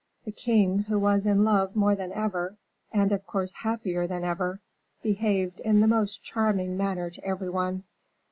The king, who was in love more than ever, and of course happier than ever, behaved in the most charming manner to every one.